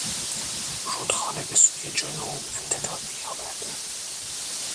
رودخانه به سوی جنوب امتداد مییابد.